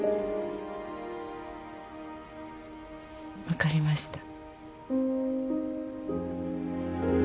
分かりました。